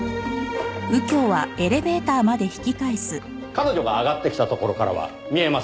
彼女が上がって来たところからは見えません。